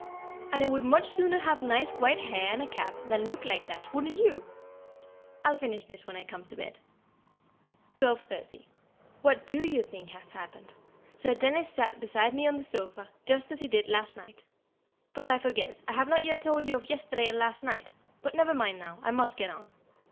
And I would much sooner have nice white hair and a cap than look like that, wouldn't you? I'll finish this when I come to bed. [Sidenote: Sir Dennis Desmond] 12.30. What do you think has happened? Sir Dennis sat beside me on the sofa just as he did last night but I forget, I have not yet told you of yesterday and last night; but never mind now, I must get on.